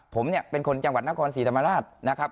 ผมเนี่ยเป็นคนจังหวัดนครศรีธรรมราชนะครับ